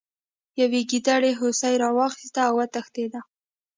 یوې ګیدړې هوسۍ راواخیسته او وتښتیده.